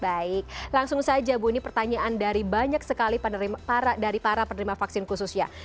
baik langsung saja bu ini pertanyaan dari banyak sekali dari para penerima vaksin khususnya